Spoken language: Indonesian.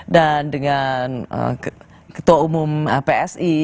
dan dengan ketua umum psi